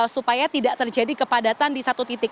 supaya tidak terjadi kepadatan di satu titik